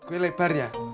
kue lebar ya